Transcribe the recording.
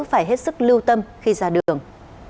phải hết sức lưu tâm khi ra đường